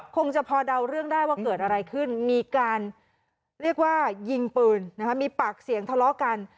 คงจะพอเดาเรื่องได้ว่าเกิดอะไรขึ้นมีการเรียกว่ายิงปืนมีปากเสียงทะเลาะกัน